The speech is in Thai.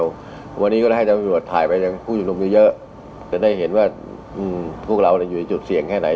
วันนี้ก็ได้ให้ตำรวจถ่ายไปยังผู้ชุมนุมเยอะจะได้เห็นว่าพวกเราอยู่ในจุดเสี่ยงแค่ไหน